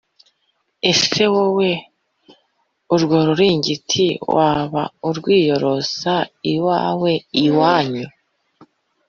ese wowe urwo ruringiti waba urwiyorosa iwawe/iwanyu?